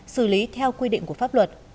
xử lý theo quy định của pháp luật